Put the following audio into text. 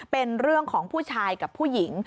เป็นเรื่องของผู้ชายกับผู้หญิง